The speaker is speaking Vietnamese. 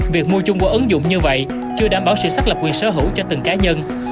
việc mua chung qua ứng dụng như vậy chưa đảm bảo sự xác lập quyền sở hữu cho từng cá nhân